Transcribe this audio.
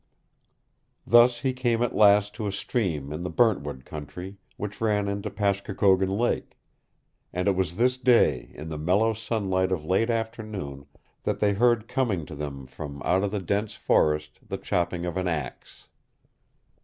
Thus he came at last to a stream in the Burntwood country which ran into Pashkokogon Lake; and it was this day, in the mellow sunlight of late afternoon, that they heard coming to them from out of the dense forest the chopping of an axe.